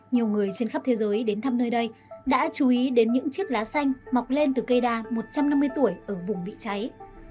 nhiều người trên khắp thế giới đến thăm nơi đây đã chú ý đến những chiếc lá xanh mọc lên từ cây đa một trăm năm mươi tuổi ở vùng bị cháy